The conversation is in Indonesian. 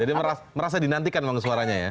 jadi merasa dinantikan memang suaranya ya